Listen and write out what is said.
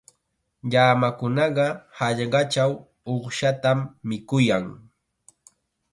Llamakunaqa hallqachaw uqshatam mikuyan.